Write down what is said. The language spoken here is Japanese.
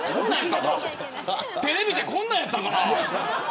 テレビってこんなんやったかな。